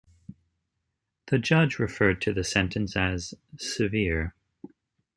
The judge referred to the sentence as "severe".